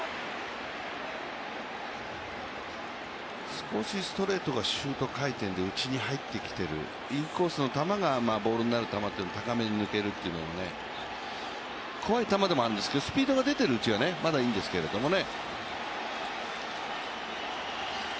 少しストレートがシュート回転で内に入ってきてるインコースの球がボールになる球が高めに抜けるというのは、怖い球でもあるんですけど、スピードが出ているうちはまだいいんですけどね。